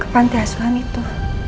ke pantai asuhan itu